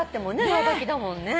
上履きだもんね。